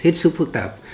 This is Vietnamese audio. hết sức phức tạp